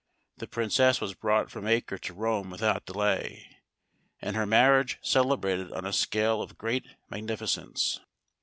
The princess was brought from Acre to Rome without delay, and her marriage celebrated on a scale of great magnificence.